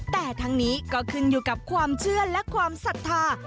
แต่ทั้งนี้ก็ขึ้นอยู่กับความเชื่อและความศรัทธา